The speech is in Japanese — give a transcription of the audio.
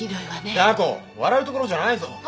笑うところじゃないぞ。